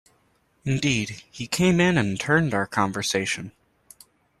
Indeed, he came in and turned our conversation.